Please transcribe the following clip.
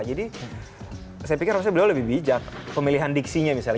jadi saya pikir harusnya beliau lebih bijak pemilihan diksinya misalnya